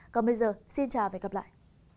còn bây giờ xin chào và hẹn gặp lại